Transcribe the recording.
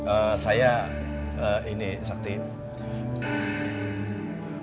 pak hasbul langsung ke dunia tadi explain